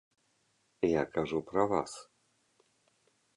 Я кажу пра вас.